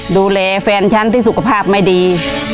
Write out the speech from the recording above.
ดูแลแฟนฉันที่สุขภาพไม่ดี